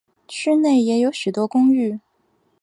区内也有许多公寓。